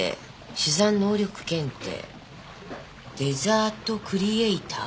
・珠算能力検定・デザートクリエイター？